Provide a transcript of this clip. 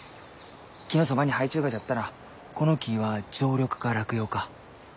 木のそばに生えちゅうがじゃったらこの木は常緑か落葉か。